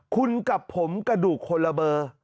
คุณกับผมกระดูกคนละเบอร์